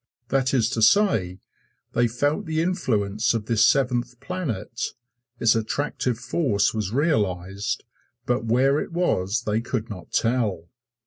That is to say, they felt the influence of this seventh planet; its attractive force was realized, but where it was they could not tell.